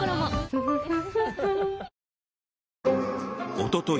おととい